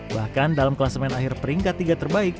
bahkan dalam kelas main akhir peringkat tiga terbaik